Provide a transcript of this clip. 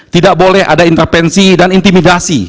tidak boleh ada intervensi dan intimidasi